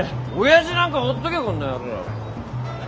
親父なんかほっとけこのヤロウ！